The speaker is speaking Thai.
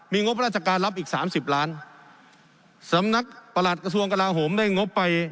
งบราชการรับอีกสามสิบล้านสำนักประหลัดกระทรวงกลาโหมได้งบไป